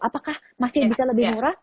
apakah masih bisa lebih murah